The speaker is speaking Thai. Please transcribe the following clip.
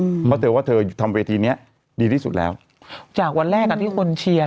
เพราะเธอว่าเธอทำเวทีเนี้ยดีที่สุดแล้วจากวันแรกอ่ะที่คนเชียร์